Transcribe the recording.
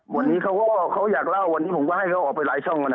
วันนี้เขาก็เขาอยากเล่าวันนี้ผมก็ให้เขาออกไปหลายช่องแล้วนะ